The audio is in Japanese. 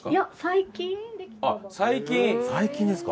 最近ですか。